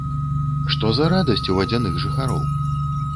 Што за радасць у вадзяных жыхароў?